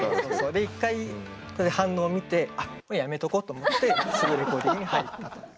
で一回反応を見てやめておこうと思ってすぐレコーディングに入ったという。